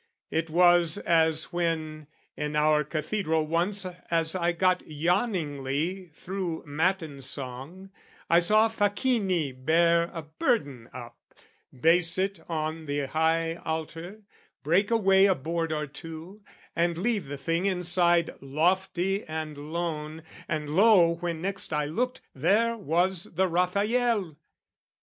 It was as when, in our cathedral once, As I got yawningly through matin song, I saw facchini bear a burden up, Base it on the high altar, break away A board or two, and leave the thing inside Lofty and lone: and lo, when next I looked, There was the Rafael!